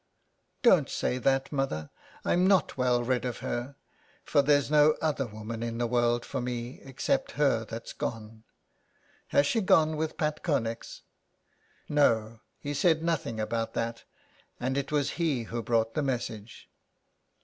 '* Don't say that, mother, I am not well rid of her, for there's no other woman in the world for me except her that's gone. Has she gone with Pat Connex ?"" No, he said nothing about that, and it was he who brought the message."